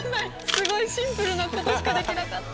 すごいシンプルなことしかできなかった。